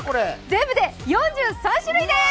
全部で４３種類です。